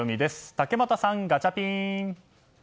竹俣さん、ガチャピン！